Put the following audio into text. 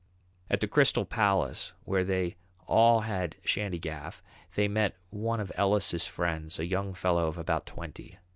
At the Crystal Palace, where they all had shandy gaff, they met one of Ellis's friends, a young fellow of about twenty.